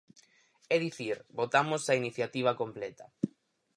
É dicir, votamos a iniciativa completa.